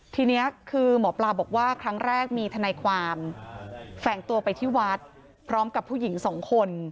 ทีนี้คือหมอปลาบอกว่าครั้งแรกมีทนายความแฝงตัวไปที่วัดพร้อมกับผู้หญิงสองคน